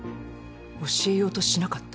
教えようとしなかった？